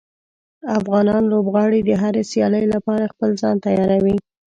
افغان لوبغاړي د هرې سیالۍ لپاره خپل ځان تیاروي.